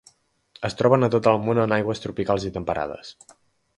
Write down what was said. Es troben a tot el món en aigües tropicals i temperades.